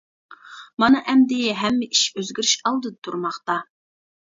مانا ئەمدى ھەممە ئىش ئۆزگىرىش ئالدىدا تۇرماقتا.